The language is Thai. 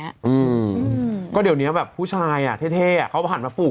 อย่างเงี้ยก็เดี๋ยวนี้แบบผู้ชายอะเท่เท่เขาผ่านมาปลูก